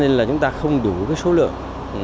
thế nên là chúng ta không đủ số lượng